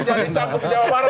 cakup jawa barat